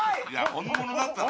本物だったら。